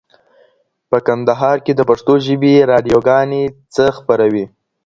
په کندهار کي د پښتو ژبي راډیوګانې څه خپروي؟